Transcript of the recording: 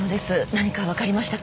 何か分かりましたか？